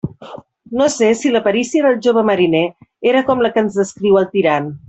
No sé si la perícia del jove mariner era com la que ens descriu el Tirant.